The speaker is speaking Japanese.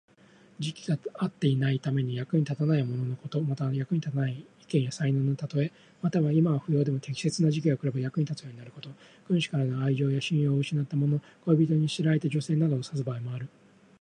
時期が合っていないために、役に立たないもののこと。または、役に立たない意見や才能のたとえ。または、今は不要でも適切な時期が来れば役に立つようになること。君主からの愛情や信用を失ったもの、恋人に捨てられた女性などを指す場合もある。